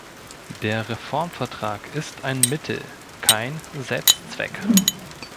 Der Reformvertrag ist ein Mittel, kein Selbstzweck.